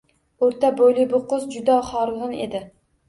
Oʻrta boʻyli bu qiz juda horgʻin edi.